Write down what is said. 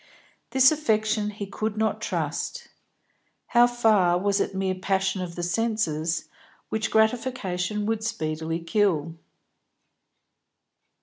This affection he could not trust. How far was it mere passion of the senses, which gratification would speedily kill?